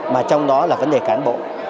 mà trong đó là vấn đề cán bộ